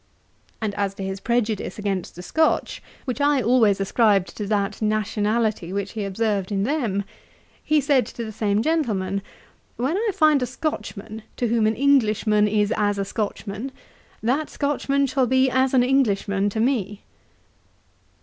And as to his prejudice against the Scotch, which I always ascribed to that nationality which he observed in them, he said to the same gentleman, 'When I find a Scotchman, to whom an Englishman is as a Scotchman, that Scotchman shall be as an Englishman to me.'